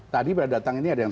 tadi pada datang ini ada yang